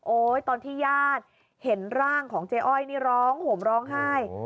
ตอนที่ญาติเห็นร่างของเจ๊อ้อยนี่ร้องห่มร้องไห้